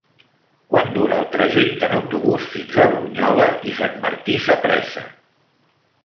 Quant dura el trajecte en autobús fins a Brunyola i Sant Martí Sapresa?